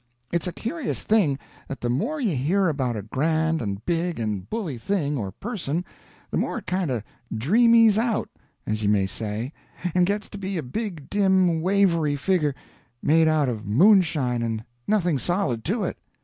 It's a curious thing, that the more you hear about a grand and big and bully thing or person, the more it kind of dreamies out, as you may say, and gets to be a big dim wavery figger made out of moonshine and nothing solid to it.